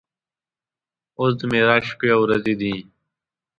اوس د معراج شپې او ورځې دي.